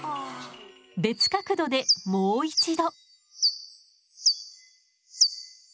別角度でもう一度。